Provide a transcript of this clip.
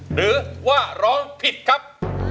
หรือว่าร้องผิดครับ